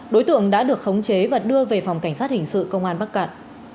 đối tượng đã được khống chế và đưa về phòng cảnh sát hình sự công an bắc cạn